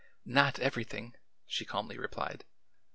"Not everything," she calmly replied.